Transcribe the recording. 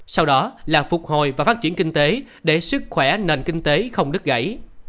sau đó là phục hồi và phát triển kinh tế để sức khỏe nền kinh tế không đứt gãy